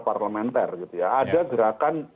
parlementer gitu ya ada gerakan